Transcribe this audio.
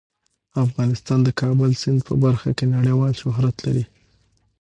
افغانستان د کابل سیند په برخه کې نړیوال شهرت لري.